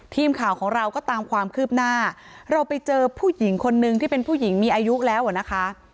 ทีมข่าวของเราก็ตามความคืบหน้าเราไปเจอผู้หญิงคนนึงที่เป็นผู้หญิงมีอายุแล้วอ่ะนะคะ